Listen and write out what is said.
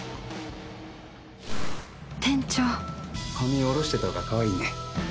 店長髪下ろしてたほうがかわいいね。